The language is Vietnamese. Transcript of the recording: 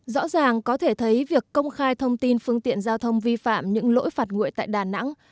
rõ ràng có thể thấy việc công khai thông tin phương tiện giao thông vi phạm những lỗi phạt nguội tại đà nẵng